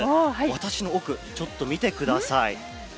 私の奥、ちょっと見てください。